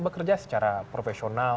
bekerja secara profesional